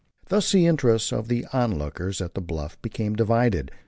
Thus the interest of the on lookers at the bluff became divided.